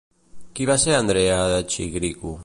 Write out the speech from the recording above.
Qui va ser Andrea de Chirico?